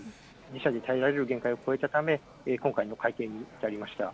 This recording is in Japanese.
自社で耐えられる限界を超えたため、今回の改定になりました。